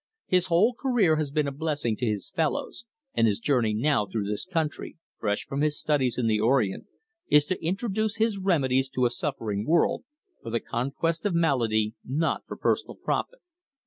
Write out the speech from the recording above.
His whole career has been a blessing to his fellows, and his journey now through this country, fresh from his studies in the Orient, is to introduce his remedies to a suffering world, for the conquest of malady, not for personal profit.